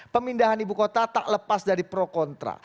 pemindahan ibu kota tak lepas dari pro kontra